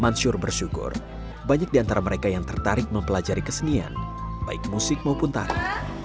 mansyur bersyukur banyak di antara mereka yang tertarik mempelajari kesenian baik musik maupun tari